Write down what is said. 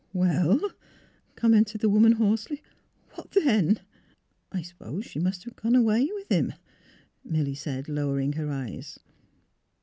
" Well? " commented the woman, hoarsely. ''What then? "" I suppose she must have gone away with him," Milly said, lowering her eyes.